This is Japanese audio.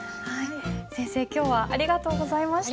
先生今日はありがとうございました。